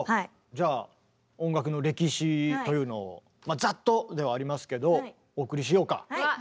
じゃあ音楽の歴史というのをざっとではありますけどお送りしようか。